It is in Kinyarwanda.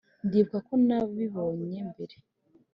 ndibuka ko nabibonye mbere.